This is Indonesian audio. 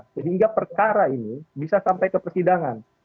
sehingga perkara ini bisa sampai ke persidangan